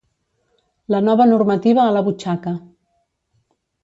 La nova normativa a la butxaca